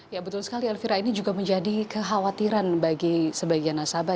ya betul sekali elvira ini juga menjadi kekhawatiran bagi sebagian nasabah